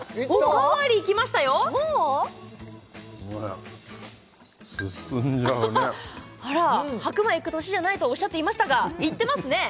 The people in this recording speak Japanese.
すいません進んじゃうねあら白米いく年じゃないとおっしゃっていましたがいってますね？